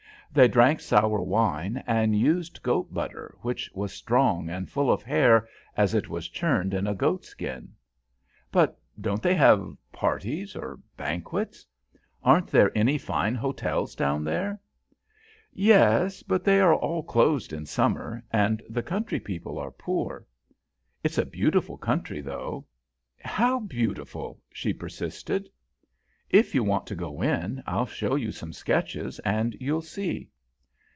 They drank sour wine, and used goat butter, which was strong and full of hair, as it was churned in a goat skin. "But don't they have parties or banquets? Aren't there any fine hotels down there?" "Yes, but they are all closed in summer, and the country people are poor. It's a beautiful country, though." "How, beautiful?" she persisted. "If you want to go in, I'll show you some sketches, and you'll see."